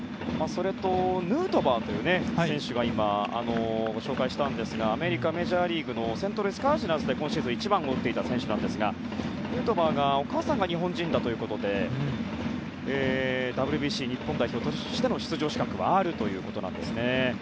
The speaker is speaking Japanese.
それとヌートバーという選手が今、ご紹介したんですがアメリカメジャーリーグのカージナルスで今シーズン１番を打っていた選手ですがヌートバーのお母さんが日本人だということでＷＢＣ日本代表としての出場資格はあるということです。